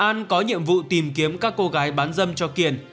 an có nhiệm vụ tìm kiếm các cô gái bán dâm cho kiên